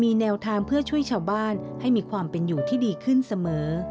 มีแนวทางเพื่อช่วยชาวบ้านให้มีความเป็นอยู่ที่ดีขึ้นเสมอ